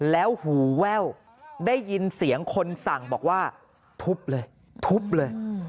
แล้วหูแว่วได้ยินเสียงคนสั่งบอกว่าทุบเลยทุบเลย